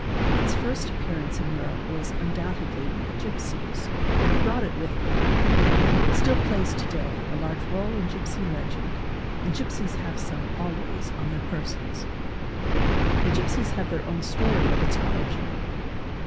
Its first appearance in Europe was undoubtedly with the gipsies, who brought it with _ them; it still plays to day a large rdle in gipsy legend and gipsies have _ some always on their persons. 'The gipsies have their own story of its _ origin.